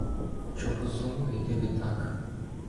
Чого сумуєте ви так?